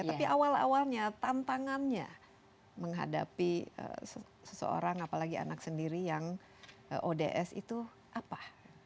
tapi awal awalnya tantangannya menghadapi seseorang apalagi anak sendiri yang ods itu apa